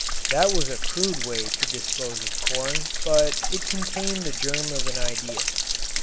That was a crude way to dispose of corn, but it contained the germ of an idea.